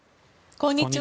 こんにちは。